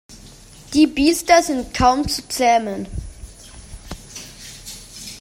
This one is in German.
Die Biester sind kaum zu zähmen.